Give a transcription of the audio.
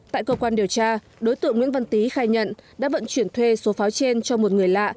tại cơ quan điều tra đối tượng nguyễn văn tý khai nhận đã vận chuyển thuê số pháo trên cho một người lạ